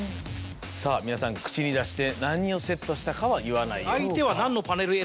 さぁ皆さん口に出して何をセットしたかは言わない。